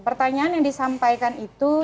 pertanyaan yang disampaikan itu